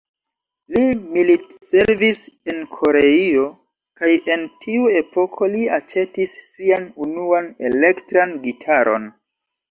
Li militservis en Koreio, kaj en tiu epoko li aĉetis sian unuan elektran gitaron.